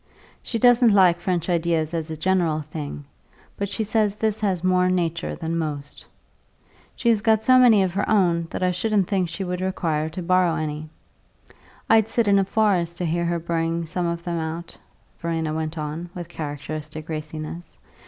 She doesn't like French ideas as a general thing; but she says this has more nature than most. She has got so many of her own that I shouldn't think she would require to borrow any. I'd sit in a forest to hear her bring some of them out," Verena went on, with characteristic raciness.